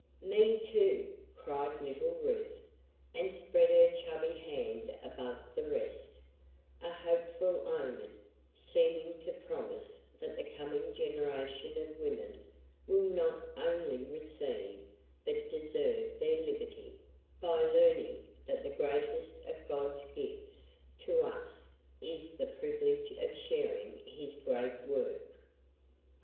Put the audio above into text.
"Me too!" cried little Ruth, and spread her chubby hand above the rest: a hopeful omen, seeming to promise that the coming generation of women will not only receive but deserve their liberty, by learning that the greatest of God's gifts to us is the privilege of sharing His great work.